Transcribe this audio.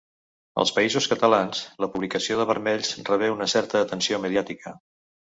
Als Països Catalans, la publicació de Vermells rebé una certa atenció mediàtica.